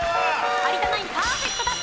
有田ナインパーフェクト達成。